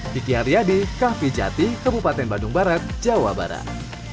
vicky haryadi kah vy jati kebupaten bandung barat jawa barat